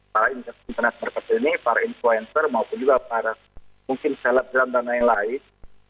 para internet marketer ini para influencer maupun juga para mungkin selet dalam dana yang lain